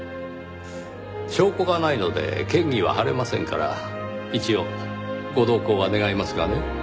証拠がないので嫌疑は晴れませんから一応ご同行は願いますがね。